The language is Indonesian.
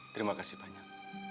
terima kasih banyak